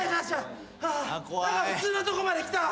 ハァ何か普通のとこまで来た。